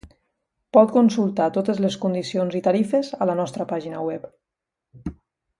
Pot consultar totes les condicions i tarifes a la nostra pàgina web.